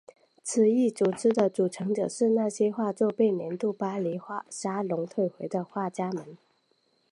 此一组织的组成者是那些画作被年度巴黎沙龙退回的画家们。